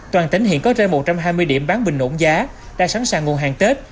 toàn tỉnh hiện có trên một trăm hai mươi điểm bán bình ổn giá đã sẵn sàng nguồn hàng tết